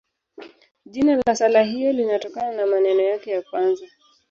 Jina la sala hiyo linatokana na maneno yake ya kwanza.